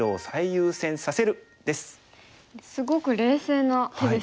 すごく冷静な手ですね。